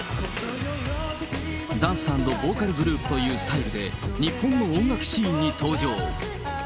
ダンス＆ボーカルグループというスタイルで、日本の音楽シーンに登場。